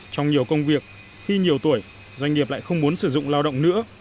trong nhiều công việc khi nhiều tuổi doanh nghiệp lại không muốn sử dụng lao động nữa